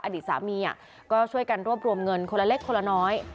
อดีตสามีก็ช่วยกันรวบรวมเงินคนละเล็กคนละน้อย